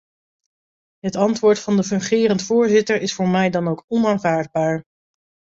Het antwoord van de fungerend voorzitter is voor mij dan ook onaanvaardbaar.